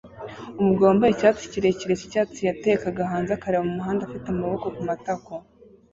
Umugabo wambaye icyatsi kirekire cyicyatsi yatekaga hanze akareba mumuhanda afite amaboko kumatako